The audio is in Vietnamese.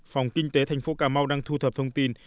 phòng kinh tế thành phố cà mau đang thu thập thông tin